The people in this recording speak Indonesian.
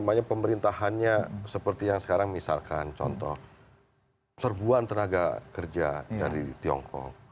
jadi ada juga pemerintahannya seperti yang sekarang misalkan contoh serbuan tenaga kerja dari tiongkok